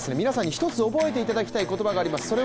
皆さんに一つ覚えていただきたい言葉があります